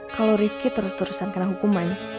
kalau rifki terus terusan kena hukuman